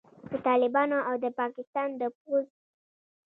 د طالبانو او د پاکستان د پوځ